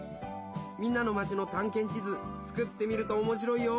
みんなの町のたんけん地図作ってみるとおもしろいよ！